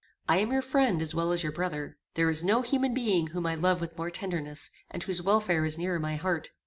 I am your friend, as well as your brother. There is no human being whom I love with more tenderness, and whose welfare is nearer my heart.